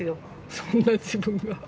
そんな自分が。